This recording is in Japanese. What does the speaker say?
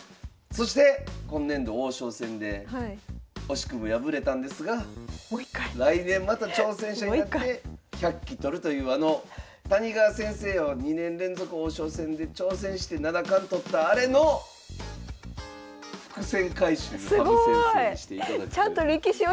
そして今年度王将戦で惜しくも敗れたんですが来年また挑戦者になって１００期取るというあの谷川先生を２年連続王将戦で挑戦して七冠取ったあれの伏線回収を羽生先生にしていただくという。